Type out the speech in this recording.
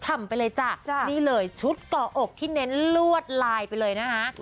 ช่ำไปเลยเมีย